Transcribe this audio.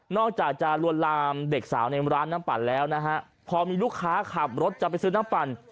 อกจากจะลวนลามเด็กสาวในร้านน้ำปั่นแล้วนะฮะพอมีลูกค้าขับรถจะไปซื้อน้ำปั่น